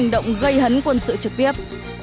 động gây hấn quân sự trực tiếp